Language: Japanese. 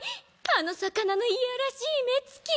あの魚のいやらしい目つき。